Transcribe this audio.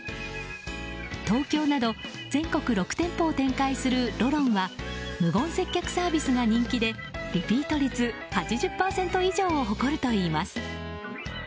東京など全国６店舗を展開するＬＯＲＯＮＧは無言接客サービスが人気でリピート率８０％以上を誇るといいます。